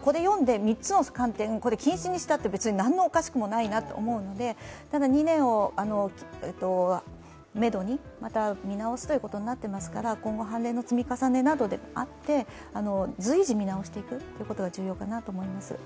これを読んで、３つの観点、これを禁止にしたって別に何もおかしくないなと思うので、２年をめどにまた見直すことになってますから今後、判例の積み重ねなどを経て随時見直していくことが重要かなと思います。